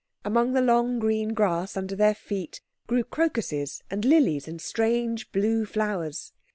Among the long green grass under their feet grew crocuses and lilies, and strange blue flowers.